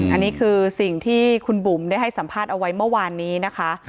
อันนี้คือสิ่งที่คุณบุ๋มได้ให้สัมภาษณ์เอาไว้เมื่อวานนี้นะคะ